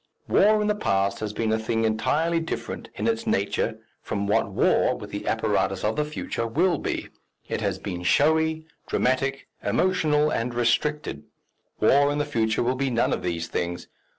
War in the past has been a thing entirely different in its nature from what war, with the apparatus of the future, will be it has been showy, dramatic, emotional, and restricted; war in the future will be none of these things.